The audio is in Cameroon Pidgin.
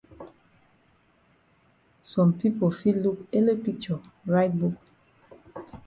Some pipo fit look ele picture write big book.